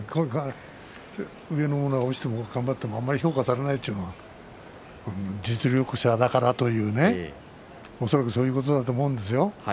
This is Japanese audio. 上の者は落ちても頑張ってもあんまり評価されないというのは実力者だからと恐らくそういうことだと思うんですよ。